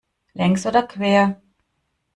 Längs oder quer?